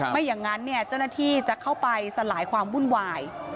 ไม่อย่างนั้นเจ้าหน้าที่จะเข้าไปสลายความวุ่นวาย